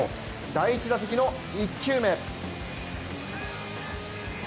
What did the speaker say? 第１打席の１球目。